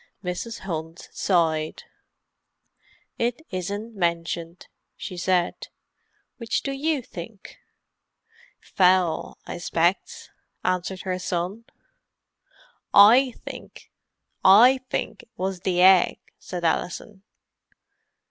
Mrs. Hunt sighed. "It isn't mentioned," she said. "Which do you think?" "Fowl, I 'specs," answered her son. "I fink it was ve egg," said Alison.